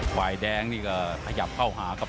ฝ่ายแดงนี่ก็ขยับเข้าหาครับ